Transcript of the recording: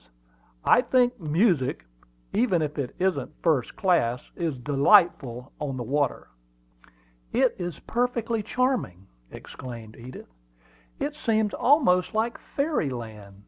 "I think music, even if it isn't first class, is delightful on the water." "It is perfectly charming!" exclaimed Edith. "It seems almost like fairy land!"